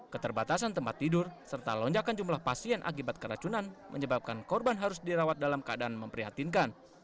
keterbatasan tempat tidur serta lonjakan jumlah pasien akibat keracunan menyebabkan korban harus dirawat dalam keadaan memprihatinkan